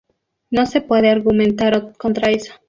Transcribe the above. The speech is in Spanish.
No se puede argumentar contra eso.